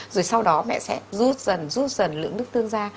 rồi sau đó mẹ sẽ rút dần rút dần lượng nước tương ra